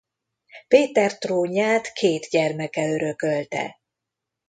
Péter trónját két gyermeke örökölte.